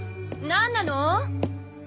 何なの？